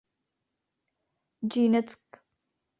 Jaenecke.